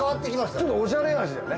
ちょっとおしゃれ味だよね。